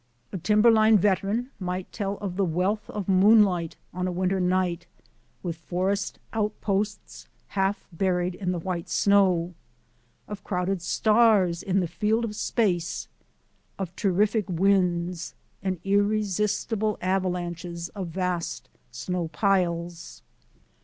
A timber line veteran might tell of the wealth of moonlight 76 THE ADVENTURES OF A NATURE GUIDE on a winter night, with forest outposts half buried in the white snow; of crowded stars in the field of space; of terrific winds and irresistible avalanches of vast snow piles.